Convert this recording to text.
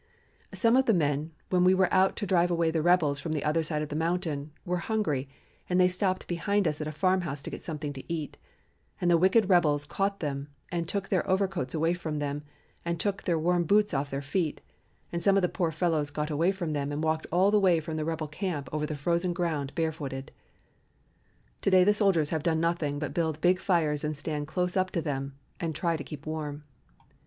"Some of the men, when we went out to drive away the rebels from the other side of the mountain, were hungry and they stopped behind us at a farmhouse to get something to eat, and the wicked rebels caught them and took their overcoats away from them, and took their warm boots off their feet; and some of the poor fellows got away from them and walked all the way from the rebel camp over the frozen ground barefooted. To day the soldiers have done nothing but build big fires and stand close up to them and try to keep warm.